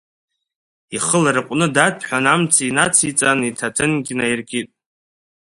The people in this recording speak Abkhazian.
Ихы ларҟәны даҭәҳәаны амца инациҵан иҭаҭынгьы наиркит.